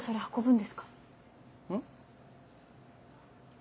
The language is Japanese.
ん？